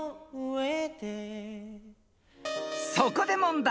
［そこで問題］